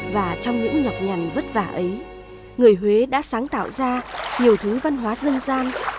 và trong những nhọc nhằn vất vả ấy người huế đã sáng tạo ra nhiều thứ văn hóa dân gian